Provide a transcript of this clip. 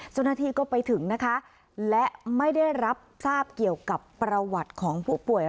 เจ้าหน้าที่ก็ไปถึงนะคะและไม่ได้รับทราบเกี่ยวกับประวัติของผู้ป่วย